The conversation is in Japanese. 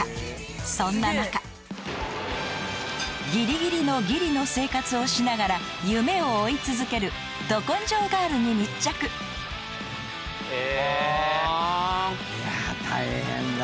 ［そんな中ギリギリのギリの生活をしながら夢を追い続けるど根性ガールに密着］え。